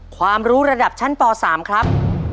ความรู้ระดับชั้นป๓ครับ